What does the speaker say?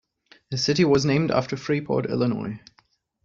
The city was named after Freeport, Illinois.